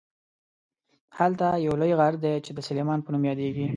هلته یو لوی غر دی چې د سلیمان په نوم یادیږي.